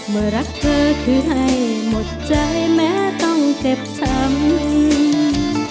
เมื่อรักเธอคือให้หมดใจแม้ต้องเจ็บช้ำ